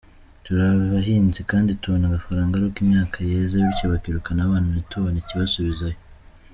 Turi abahinzi kandi tubona agafaranga ari uko imyaka yeze, bityo bakwirukana abana ntitubone ikibasubizayo.